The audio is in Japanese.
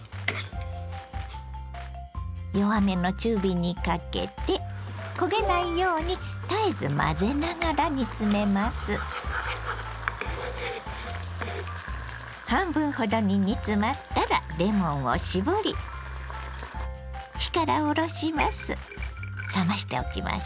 弱めの中火にかけて半分ほどに煮詰まったらレモンを搾り火から下ろします。